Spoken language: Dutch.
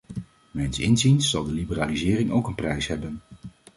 Mijns inziens zal de liberalisering ook een prijs hebben.